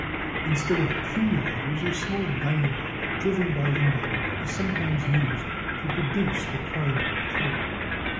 Instead of accumulators a small dynamo, driven by the motor, is sometimes used to produce the primary current.